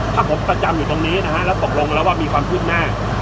ถ้าผมพัจจำอยู่ตรงนี้นะฮะแล้วส่งมาว่ามีความพูดมาก